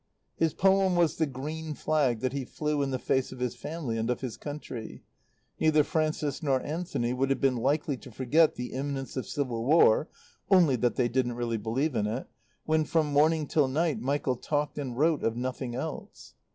His poem was the green flag that he flew in the face of his family and of his country. Neither Frances nor Anthony would have been likely to forget the imminence of civil war (only that they didn't really believe in it), when from morning till night Michael talked and wrote of nothing else.